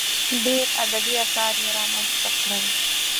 ډېر ادبي اثار یې رامنځته کړل.